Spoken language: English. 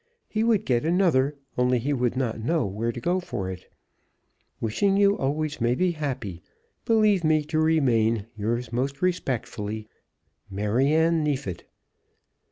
He would get another, only he would not know where to go for it. Wishing you always may be happy, believe me to remain, Yours most respectfully, MARYANNE NEEFIT.